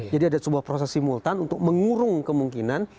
jadi ada sebuah proses simultan untuk mengurung kemungkinan